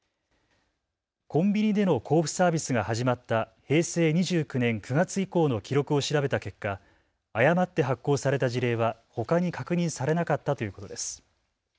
コンビニでの交付サービスが始まった平成２９年９月以降の記録を調べた結果、誤って発行された事例はほかに確認されなかったということです。